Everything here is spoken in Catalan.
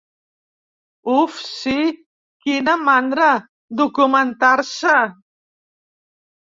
Uf, sí, quina mandra, documentar-se!